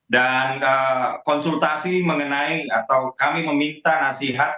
dan konsultasi mengenai atau kami meminta nasihat